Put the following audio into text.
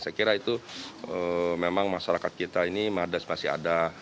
saya kira itu memang masyarakat kita ini madas masih ada